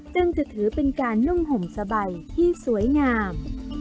จึงจะถือเป็นการนุ่งห่มสบายที่สวยงาม